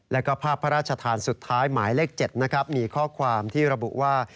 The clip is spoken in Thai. แล้วก็ภาพพระราชทานสุดท้ายหมายเลข๗นะครับมีข้อความที่ระบุว่า